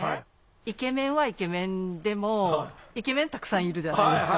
イケメンはイケメンでもイケメンたくさんいるじゃないですか。